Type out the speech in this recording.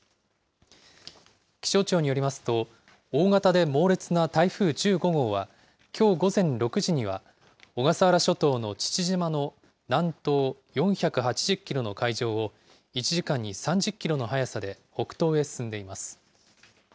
気象庁によりますと、大型で猛烈な台風１５号はきょう午前６時には、小笠原諸島の父島の南東４８０キロの海上を、１時間に３０キロの速さで、北東へ進んでいます。